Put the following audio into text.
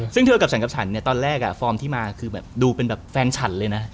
ซึ่งเธอกับฉันกับฉันเนี่ยตอนแรกฟอร์มที่มาคือแบบดูเป็นแบบแฟนฉันเลยนะ